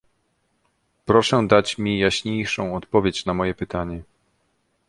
Proszę dać mi jaśniejszą odpowiedź na moje pytanie